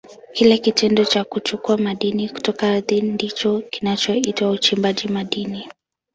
Kile kitendo cha kuchukua madini kutoka ardhini ndicho kinachoitwa uchimbaji madini.